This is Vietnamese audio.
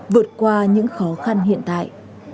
vượt qua những khó khăn hiện tại